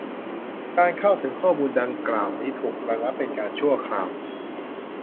การเข้าถึงข้อมูลดังกล่าวนี้ ถูกระงับเป็นการชั่วคราว